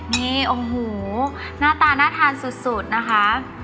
นี่โอ้โหหน้าตาน่าทานสุดนะคะ